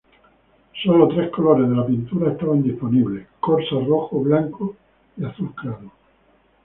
Solo tres colores de la pintura estaban disponibles: Corsa rojo, blanco, y azul claro.